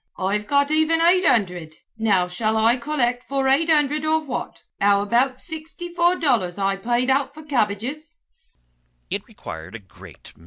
I've got even eight hundred, now shall I collect for eight hundred or what, how about sixty four dollars I paid out for cabbages."